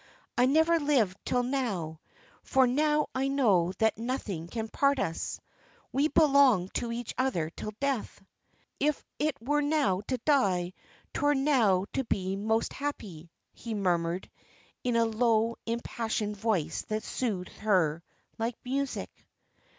"I never lived till now for now I know that nothing can part us. We belong to each other till death." "If it were now to die 'twere now to be most happy," he murmured in a low, impassioned voice that soothed her like music.